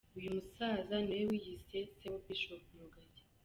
Uyu musaza niwe wiyise Se wa Bishop Rugagi.